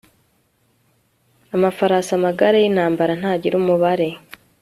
amafarasi, amagare y'intambara ntagira umubare